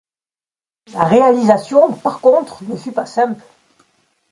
La réalisation, par contre, ne fut pas simple.